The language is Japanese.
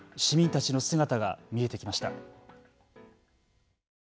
市民たちの姿が見えてきました。